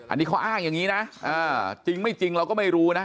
อันนี้เขาอ้างอย่างนี้นะจริงไม่จริงเราก็ไม่รู้นะ